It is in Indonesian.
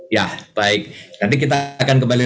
ya baik nanti kita akan kembali